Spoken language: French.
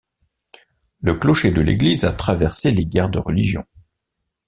Le clocher de l’église a traversé les guerres de religion.